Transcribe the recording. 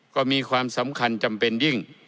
ก็มีความสำคัญจำเป็นยิ่ง